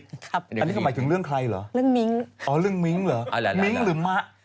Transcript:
อันนี้คือหมายถึงเรื่องใครเหรอโอ้เรื่องมิ๊งหรือมิ๊งหรือมะ